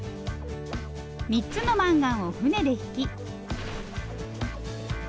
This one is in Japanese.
３つのマンガンを船でひき。